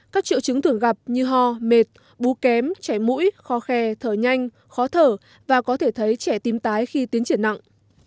các triệu chứng thường gặp như ho mệt bú kém trẻ mũi khò khè thở nhanh khó thở và có thể thấy trẻ tim tái khi tiến triển nặng